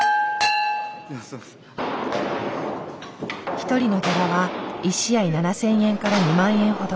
１人のギャラは１試合７，０００円から２万円ほど。